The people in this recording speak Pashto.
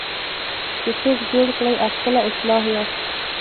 چې څوک جوړ کړئ او خپله اصلاح یاست.